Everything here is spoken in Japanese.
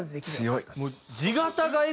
強い。